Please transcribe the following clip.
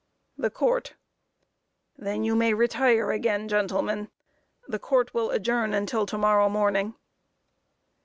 THE COURT: Then you may retire again, gentlemen. The Court will adjourn until to morrow morning.